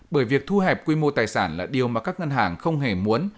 bởi việc thu hẹp quy mô tài sản là điều mà các ngân hàng không hề muốn